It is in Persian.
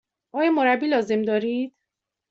آیا مربی لازم دارید؟